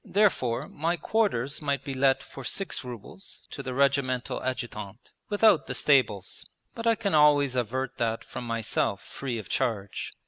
Therefore my quarters might be let for six rubles to the Regimental Adjutant, without the stables; but I can always avert that from myself free of charge.